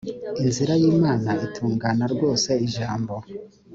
inzira y imana itungana rwose ijambo